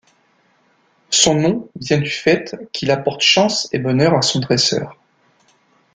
Son nom vient du fait qu'il apporte chance et bonheur à son dresseur.